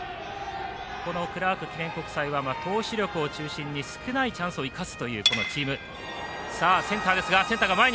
このクラーク記念国際は投手力を中心に少ないチャンスを生かすというチーム。